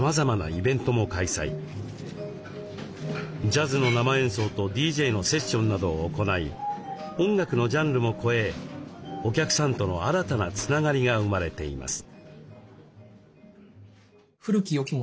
ジャズの生演奏とＤＪのセッションなどを行い音楽のジャンルも超えお客さんとの新たなつながりが生まれています。